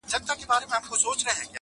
• که رضا وي که په زور وي زې کوومه,